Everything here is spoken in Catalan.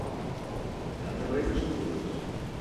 A darreres cules.